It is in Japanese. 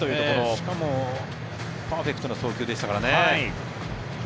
しかもパーフェクトな送球でしたからね。